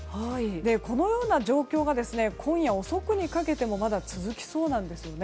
このような状況が今夜遅くにかけても続きそうなんですね。